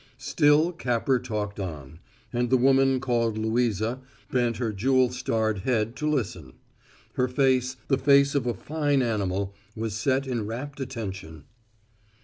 Still Capper talked on, and the woman called Louisa bent her jewel starred head to listen. Her face, the face of a fine animal, was set in rapt attention.